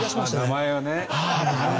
名前をね。